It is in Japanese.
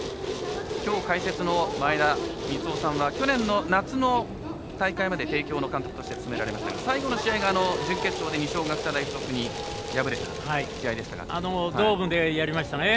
きょう解説の前田三夫さんは去年の夏の大会まで帝京の監督として務められて最後の試合が準決勝で二松学舎大付属にドームでやりましたね。